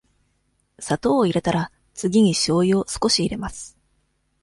砂糖を入れたら、次にしょうゆを少し入れます。